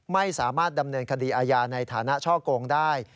ไม่สามารถดำเนินคดีอาญาในฐานะช่อกงได้